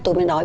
tôi mới nói